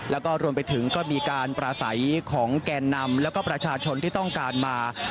แล้วก็รวมไปถึงก็มีการปราศัยของแกนนำแล้วก็ประชาชนที่ต้องการมา